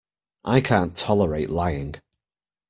I can't tolerate lying.